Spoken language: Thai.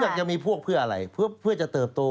อยากจะมีพวกเพื่ออะไรเพื่อจะเติบโต